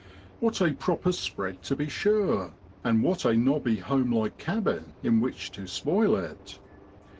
What a proper spread to be sure, and what a nobby home like cabin in which to spoil it